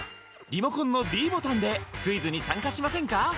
リモコンのｄボタンでクイズに参加しませんか？